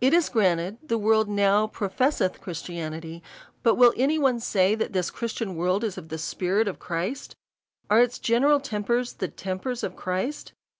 It is granted, the world now professeth Christianity,, but will any one say, that this Christian world is of the spirit of Christ? Are its general tempers the tempers of Christ